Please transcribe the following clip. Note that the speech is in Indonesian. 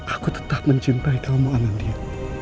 aku tetap mencintai kamu alamiah